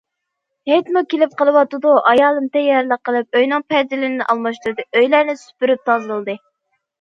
ھېيتمۇ كېلىپ قېلىۋاتىدۇ، ئايالىم تەييارلىق قىلىپ ئۆينىڭ پەردىلىرىنى ئالماشتۇردى، ئۆيلەرنى سۈپۈرۈپ تازىلىدى.